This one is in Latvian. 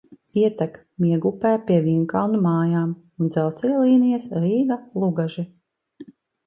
Ietek Miegupē pie Vīnkalnu mājām un dzelzceļa līnijas Rīga–Lugaži.